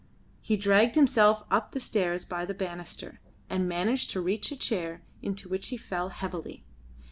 He dragged himself up the stairs by the banister, and managed to reach a chair into which he fell heavily.